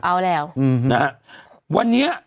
เอาแล้วนะฮะวันนี้